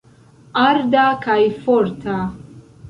Arda kaj forta.